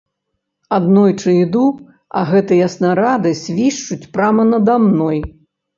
Аднойчы іду, а гэтыя снарады свішчуць прама нада мной.